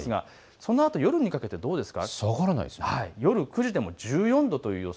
そのあと夜にかけてはどうですか。